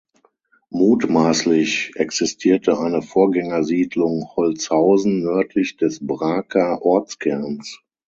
Mutmaßlich existierte eine Vorgängersiedlung Holzhausen nördlich des Braker Ortskerns.